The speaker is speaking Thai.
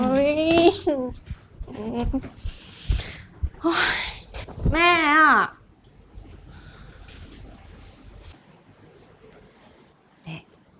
โอ้ยโอ้ยแม่อ่ะ